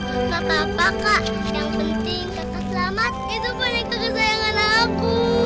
tidak apa apa kak yang penting kakak selamat itu pun yang kekesayangan aku